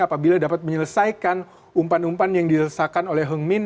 apabila dapat menyelesaikan umpan umpan yang dirasakan oleh heung min